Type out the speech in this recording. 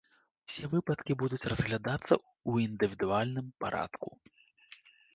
Усе выпадкі будуць разглядацца ў індывідуальным парадку.